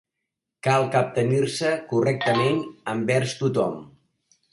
Cal captenir-se correctament envers tothom.